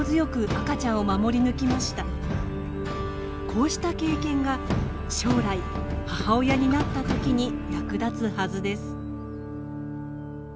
こうした経験が将来母親になった時に役立つはずです。